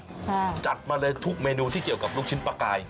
ค่ะจัดมาเลยทุกเมนูที่เกี่ยวกับลูกชิ้นปลากาย